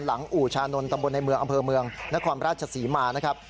อู่ชานนท์ตำบลในเมืองอำเภอเมืองนครราชศรีมานะครับ